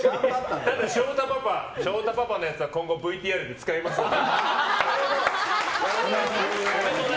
ただ、翔太パパのやつは今後ＶＴＲで使いますので。